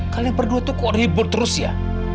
kalian berdua tuh kok ribut terus ya